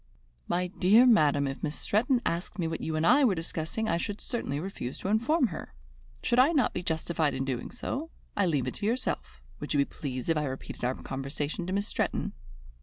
"My dear madam, if Miss Stretton asked me what you and I were discussing, I should certainly refuse to inform her. Should I not be justified in doing so? I leave it to yourself. Would you be pleased if I repeated our conversation to Miss Stretton?"